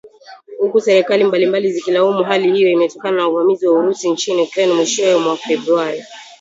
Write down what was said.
Huku serikali mbalimbali zikilaumu hali hiyo imetokana na uvamizi wa Urusi nchini Ukraine mwishoni mwa Februari.